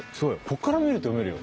ここから見ると読めるよ。